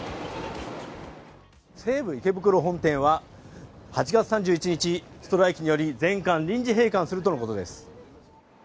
西武池袋本店は８月３１日、ストライキにより全館臨時閉館するとのことです。